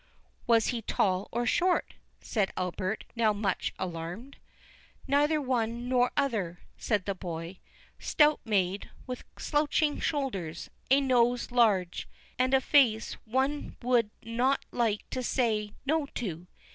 "Was he tall or short?" said Albert, now much alarmed. "Neither one nor other," said the boy; "stout made, with slouching shoulders; a nose large, and a face one would not like to say No to.